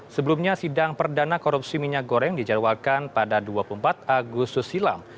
sebelumnya sidang perdana korupsi minyak goreng dijadwalkan pada dua puluh empat agustus silam